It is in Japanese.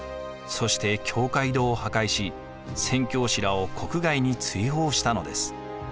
そして教会堂を破壊し宣教師らを国外に追放したのです。